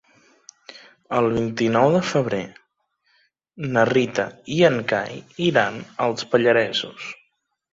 El vint-i-nou de febrer na Rita i en Cai iran als Pallaresos.